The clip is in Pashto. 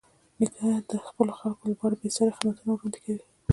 نیکه د خپلو خلکو لپاره بېساري خدمتونه وړاندې کوي.